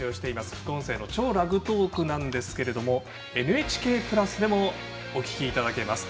副音声の「超ラグトーク」ですが「ＮＨＫプラス」でもお聞きいただけます。